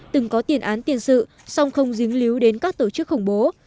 từng có tiền án tiền sự song không dính líu đến các tổ chức khủng bố